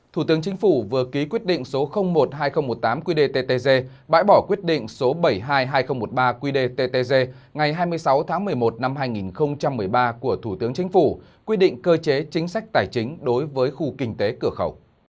thủ tướng chính phủ vừa ký quyết định số một hai nghìn một mươi tám quy đề ttg bãi bỏ quyết định số bảy mươi hai hai nghìn một mươi ba quy đề ttg ngày hai mươi sáu tháng một mươi một năm hai nghìn một mươi ba của thủ tướng chính phủ quy định cơ chế chính sách tài chính đối với khu kinh tế cửa khẩu